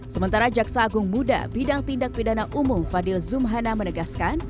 sementara jaksa agung muda bidang tindak pidana umum fadil zumhana menegaskan